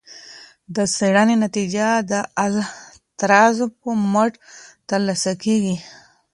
د څیړنې نتیجه د الالتزام په مټ ترلاسه کیږي.